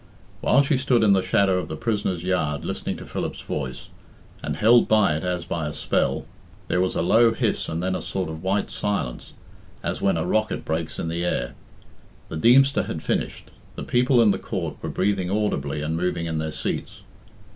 While she stood in the shadow of the prisoners' yard listening to Philip's voice, and held by it as by a spell, there was a low hiss and then a sort of white silence, as when a rocket breaks in the air. The Deemster had finished; the people in the court were breathing audibly and moving in their seats.